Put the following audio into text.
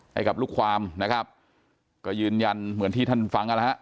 ให้กับลูกความนะครับก็ยืนยันเหมือนที่ท่านฟังนะฮะ